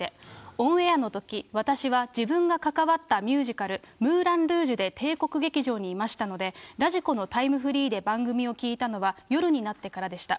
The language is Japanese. オンエアのとき、私は自分が関わったミュージカル、ムーラン・ルージュで帝国劇場にいましたので、ｒａｄｉｋｏのタイムフリーで番組を聴いたのは夜になってからでした。